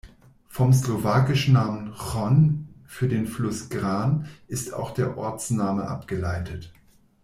Vom slowakischen Namen "Hron" für den Fluss Gran ist auch der Ortsname abgeleitet.